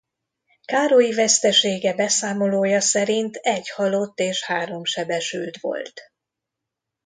Károlyi vesztesége beszámolója szerint egy halott és három sebesült volt.